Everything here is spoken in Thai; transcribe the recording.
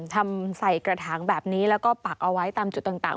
ทำใส่กระถางแบบนี้แล้วก็ปักเอาไว้ตามจุดต่าง